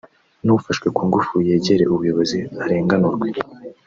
n’ufashwe ku ngufu yegere ubuyobozi arenganurwe